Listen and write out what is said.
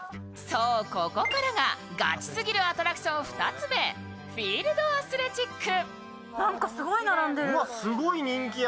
そう、ここからがガチすぎるアトラクション２つ目、フィールドアスレチック。